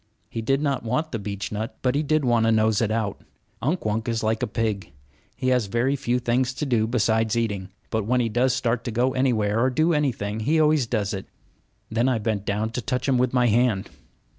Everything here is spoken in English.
He did not want the beechnut; but he did want to nose it out. Unk Wunk is like a pig. He has very few things to do besides eating; but when he does start to go anywhere or do anything he always does it. Then I bent down to touch him with my hand.